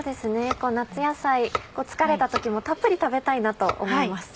夏野菜疲れた時もたっぷり食べたいなと思います。